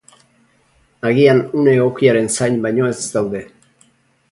Agian une egokiaren zain baino ez daude.